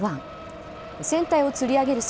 船体をつり上げる